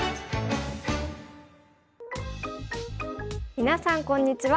皆さんこんにちは。